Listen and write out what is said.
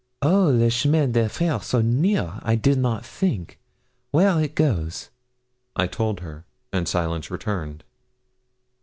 'Oh, le chemin de fer, so near! I did not think. Where it goes?' I told her, and silence returned.